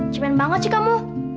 cuman banget sih kamu